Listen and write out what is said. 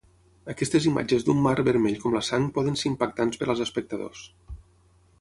Aquestes imatges d'un mar vermell com la sang poden ser impactants per als espectadors.